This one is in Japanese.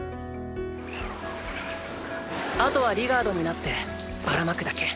あとはリガードになってバラ撒くだけ。